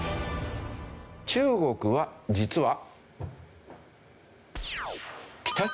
中国は実は。